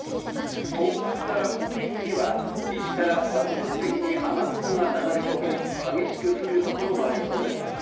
東北から北陸には、西から断続的に雨雲が流れ込み、激しく降るところもありそうです。